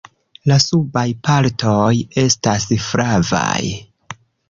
La subaj partoj estas flavaj.